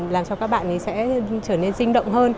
làm cho các bạn ấy sẽ trở nên sinh động hơn